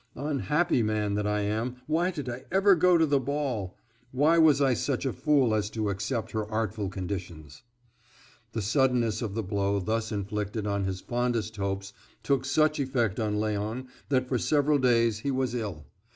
Unhappy man that I am, why did I ever go to the ball! Why was I such a fool as to accept her artful conditions?" The suddenness of the blow thus inflicted on his fondest hopes took such effect on Léon that for several days he was ill.